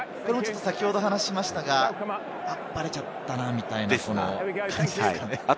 先ほど話しましたが、バレちゃったなみたいな感じですかね。